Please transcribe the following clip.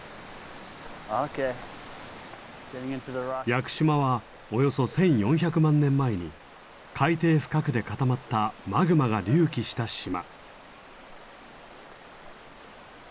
屋久島はおよそ１，４００万年前に海底深くで固まったマグマが隆起した島。